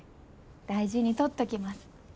大事にとっときます。